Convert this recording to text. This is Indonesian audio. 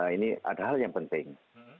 ini ada hal yang penting